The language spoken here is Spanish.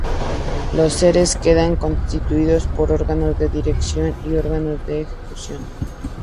Los Servicios quedan constituidos por órganos de dirección y órganos de ejecución.